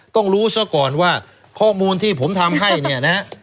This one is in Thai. ต้องรู้ซะก่อนว่าข้อมูลที่ผมทำให้เนี่ยนะฮะ